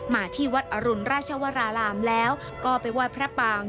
มาที่วัดอรุณราชวรารามแล้วก็ไปไหว้พระปาง